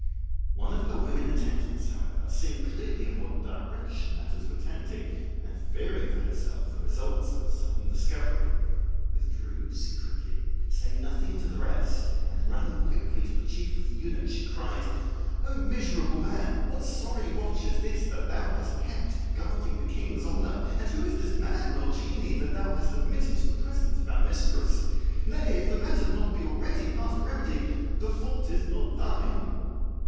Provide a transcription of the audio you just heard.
One of her women attendants however, seeing clearly in what direction matters were tending, and fearing for herself the results of a sudden discovery, withdrew secretly, saying nothing to the rest, and running quickly to the chief of the eunuchs she cried, "O miserable man, what sorry watch is this that thou hast kept, guarding the King's honour; and who is this man or genie that thou hast admitted to the presence of our mistress? Nay, if the matter be not already past remedy the fault is not thine!"